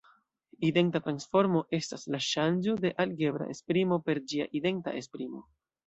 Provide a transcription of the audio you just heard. Identa transformo estas la ŝanĝo de algebra esprimo per ĝia identa esprimo.